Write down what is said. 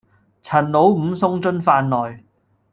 陳老五送進飯來，